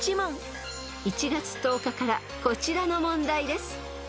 ［１月１０日からこちらの問題です］